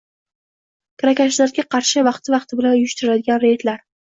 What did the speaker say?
kirakashlarga qarshi vaqti-vaqti bilan uyushtiriladigan reydlar